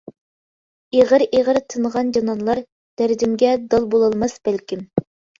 ئېغىر-ئېغىر تىنغان جانانلار، دەردىمگە دال بولالماس بەلكىم.